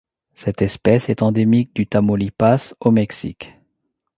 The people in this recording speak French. Cette espèce est endémique du Tamaulipas au Mexique.